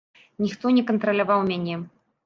Ніхто не кантраляваў мяне.